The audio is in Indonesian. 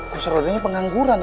kursi rodanya pengangguran